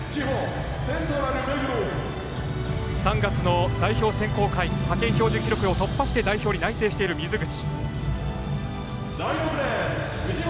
３月の代表選考会派遣標準記録を突破して代表に内定している、水口。